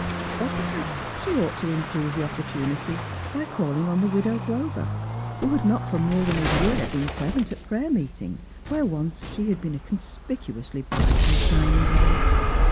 Or perhaps she ought to improve the opportunity by calling on the Widow Grover, who had not for more than a year been present at prayer meeting, where once she had been a conspicuously bright and shining light.